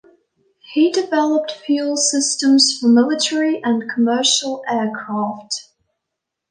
He developed fuel systems for military and commercial aircraft.